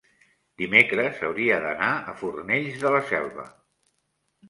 dimecres hauria d'anar a Fornells de la Selva.